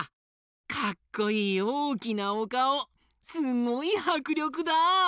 かっこいいおおきなおかおすごいはくりょくだ！